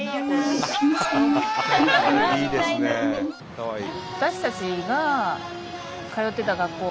かわいい。